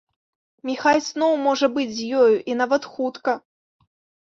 Міхась зноў можа быць з ёю, і нават хутка.